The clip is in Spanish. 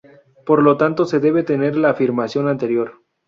Por lo tanto se debe tener la afirmación anterior.